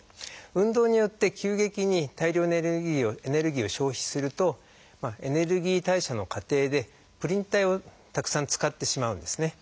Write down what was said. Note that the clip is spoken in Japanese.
運動によって急激に大量にエネルギーを消費するとエネルギー代謝の過程でプリン体をたくさん使ってしまうんですね。